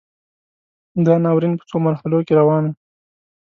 دا ناورین په څو مرحلو کې روان و.